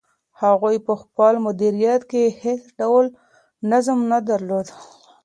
هغوی په خپل مدیریت کې هیڅ ډول نظم نه درلود.